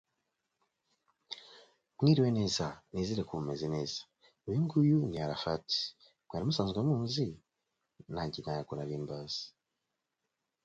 The award recognised Carroll's contribution to Catholic education.